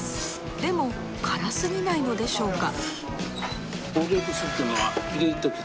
でも辛すぎないのでしょうか？